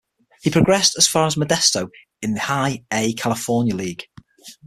He progressed as far as Modesto in the High A California League.